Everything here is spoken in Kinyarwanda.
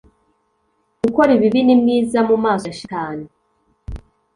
ukora ibibi ni mwiza mu maso ya shitani